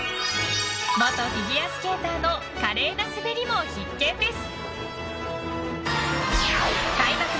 元フィギュアスケーターの華麗な滑りも必見です。